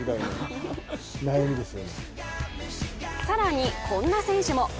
更に、こんな選手も。